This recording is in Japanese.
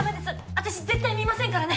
私絶対見ませんからね。